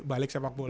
balik sepak bola